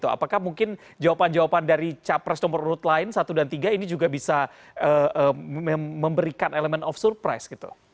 apakah mungkin jawaban jawaban dari capres nomor satu dan tiga ini juga bisa memberikan element of surprise